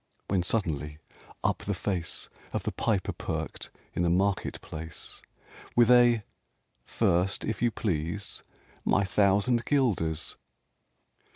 when suddenly, up the face Of the Piper perked in the market place, With a "First, if you please, my thousand guilders!"